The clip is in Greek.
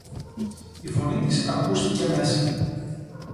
Η φωνή της ακούστηκε μέσα